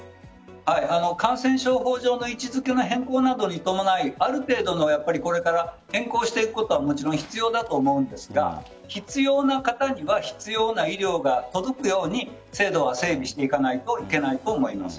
感染症法上の位置付けの変更などに伴いある程度変更していくことはもちろん必要だと思うんですが必要な方には必要な医療が届くように制度を整備していかないといけないと思います。